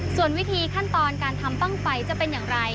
ส่วนวิธีขั้นตอนการทำบ้างไฟจะเป็นอย่างไร